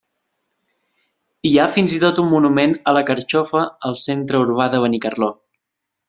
Hi ha fins i tot un monument a la carxofa al centre urbà de Benicarló.